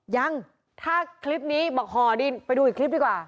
ยังถ้าคลิปนี้บอกห่อดินไปดูอีกคลิปดีกว่า